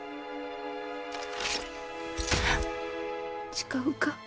誓うか？